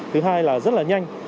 thứ hai là rất là nhanh